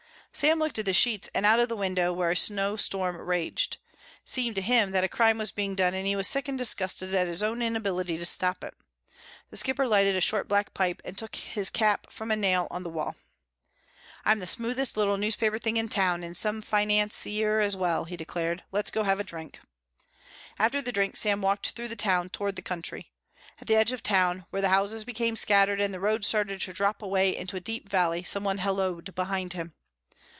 Sam looked at the sheets and out of the window where a snow storm raged. It seemed to him that a crime was being done and he was sick and disgusted at his own inability to stop it. The Skipper lighted a short black pipe and took his cap from a nail on the wall. "I'm the smoothest little newspaper thing in town and some financier as well," he declared. "Let's go have a drink." After the drink Sam walked through the town toward the country. At the edge of town where the houses became scattered and the road started to drop away into a deep valley some one helloed behind him.